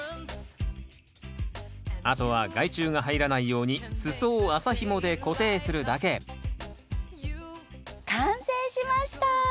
あとは害虫が入らないように裾を麻ひもで固定するだけ完成しました。